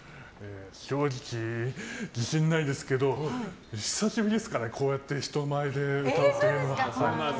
正直、自信ないですけど久しぶりですから、こうやって人前で歌うというのは。